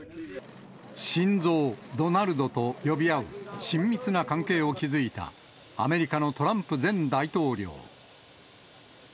シンゾー、ドナルドと呼び合う親密な関係を築いた、アメリカのトランプ前大統領。